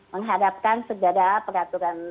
menghadapkan segera peraturan